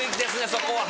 そこは。